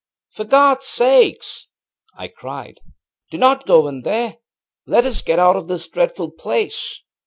ŌĆśFor GodŌĆÖs sake, ŌĆÖ I cried, ŌĆśdo not go in there! Let us get out of this dreadful place!